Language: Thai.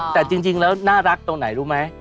แต่จริงแล้วน่ารักตรงไหนรู้ไหม